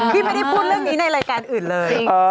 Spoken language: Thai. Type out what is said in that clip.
พี่ไม่ได้พูดเรื่องนี้ในรายการอื่นเลย